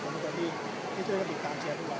สวัสดีครับขออนุญาตถ้าใครถึงแฟนทีลักษณ์ที่เกิดอยู่แล้วค่ะ